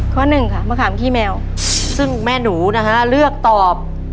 หนึ่งค่ะมะขามขี้แมวซึ่งแม่หนูนะฮะเลือกตอบ